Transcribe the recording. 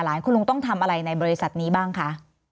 คุณลุงต้องทำอะไรในบริษัทนี้บ้างคะ